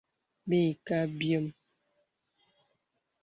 Bə̀ î kə̀ a abyēm.